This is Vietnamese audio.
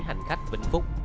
hành khách bình phúc